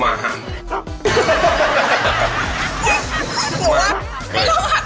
หมายหากทำ